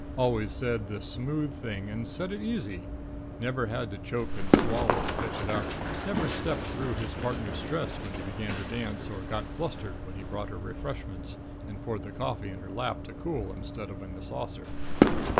Always said the smooth thing and said it easy. Never had to choke and swallow to fetch it up. Never stepped through his partner's dress when he began to dance, or got flustered when he brought her refreshments and poured the coffee in her lap to cool instead of in the saucer.